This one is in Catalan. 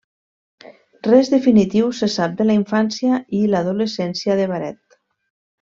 Res definitiu se sap de la infància i l'adolescència de Baret.